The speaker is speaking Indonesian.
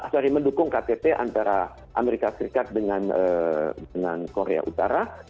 sorry mendukung ktp antara amerika serikat dengan korea utara